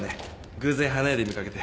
偶然花屋で見かけて。